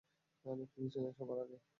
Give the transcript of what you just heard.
তিনি ছিলেন সবার আগে।